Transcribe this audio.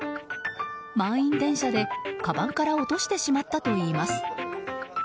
満員電車でかばんから落としてしまったといいます。